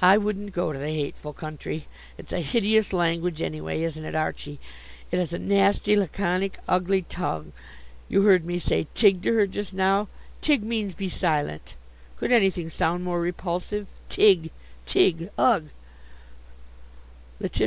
I wouldn't go to the hateful country. It's a hideous language, anyway, isn't it, Archie? It is a nasty, laconic, ugly tongue. You heard me say Tig to her just now. Tig means 'be silent.' Could anything sound more repulsive? _Tig! Tig! Ugh!